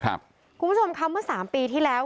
ครับคุณผู้ชมครับเมื่อสามปีที่แล้ว